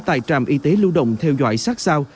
tại trạm y tế lưu động theo dõi sát sao